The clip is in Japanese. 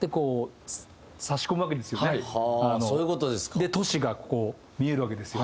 で都市がこう見えるわけですよ。